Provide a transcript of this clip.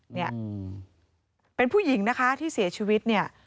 เนี่ยเป็นผู้หญิงนะคะที่เสียชีวิตเนี่ย